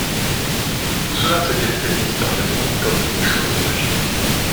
Tout cela s'était fait mystérieusement comme une chose magique.